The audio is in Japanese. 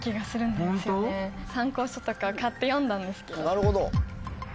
なるほど。